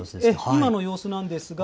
今の様子ですが。